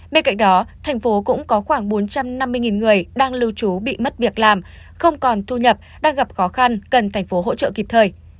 bên cạnh đó thành phố cũng có khoảng bốn trăm năm mươi người đang lưu trú bị mất việc làm không còn thu nhập đang gặp khó khăn cần thành phố hỗ trợ kịp thời